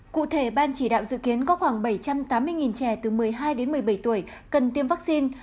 cụ thể ban chỉ đạo dự kiến có khoảng bảy trăm tám mươi trẻ từ một mươi hai đến một mươi bảy tuổi cần tiêm vaccine